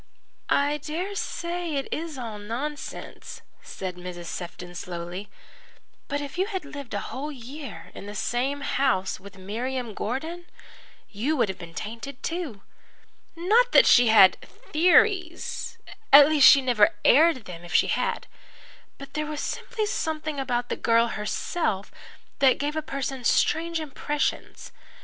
"I dare say it is all nonsense," said Mrs. Sefton slowly, "but if you had lived a whole year in the same house with Miriam Gordon, you would have been tainted too. Not that she had 'theories' at least, she never aired them if she had. But there was simply something about the girl herself that gave a person strange impressions.